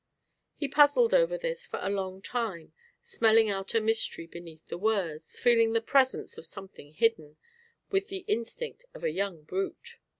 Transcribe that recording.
He puzzled over this for a long time, smelling out a mystery beneath the words, feeling the presence of something hidden, with the instinct of a young brute.